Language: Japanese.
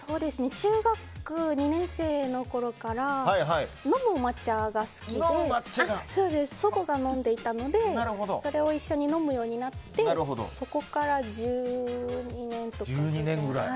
中学２年生のころから飲む抹茶が好きで祖母が飲んでいたのでそれを一緒に飲むようになってそこから１２年とか。